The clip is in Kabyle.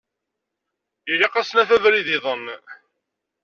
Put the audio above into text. Ilaq ad s-naf abrid-iḍen.